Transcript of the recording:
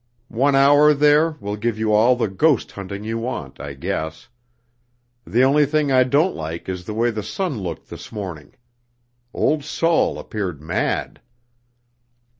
One hour there will give you all the ghost hunting you want, I guess. The only thing I don't like is the way the sun looked this morning. Old Sol appeared mad!"